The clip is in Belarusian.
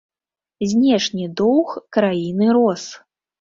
Знешні доўг краіны рос.